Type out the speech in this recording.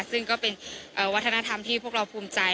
ซึ่งก็เป็นวัฒนธรรมที่พวกเราภูมิใจ